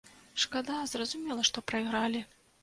Шкада, зразумела, што прайгралі.